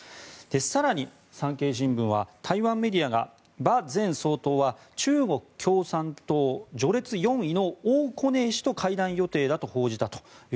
更に産経新聞は台湾メディアが、馬前総統は中国共産党序列４位のオウ・コネイ氏と会談予定だと報じました。